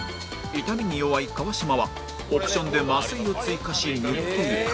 痛みに弱い川島はオプションで麻酔を追加し塗っていく